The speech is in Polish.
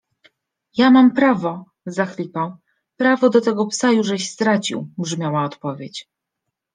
Ja mam prawo... - zachlipał. - Prawo do tego psa jużeś stracił brzmiała odpowiedź. -